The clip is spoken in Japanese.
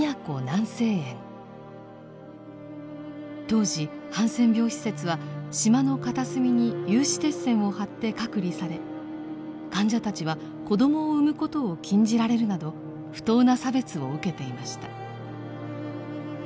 当時ハンセン病施設は島の片隅に有刺鉄線を張って隔離され患者たちは子供を産むことを禁じられるなど不当な差別を受けていました。